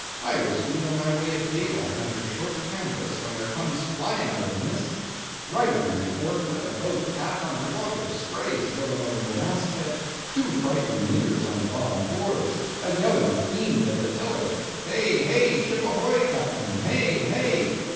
I was feeling my way in at daylight under short canvas when there comes flying out of the mist right under my forefoot a boat half under water, sprays going over the mast head, two frightened niggers on the bottom boards, a yelling fiend at the tiller. Hey! hey! Ship ahoy! ahoy! Captain! Hey! hey!